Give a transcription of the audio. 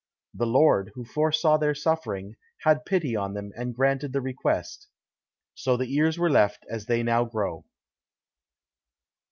The Lord, who foresaw their suffering, had pity on them, and granted the request. So the ears were left as they now grow.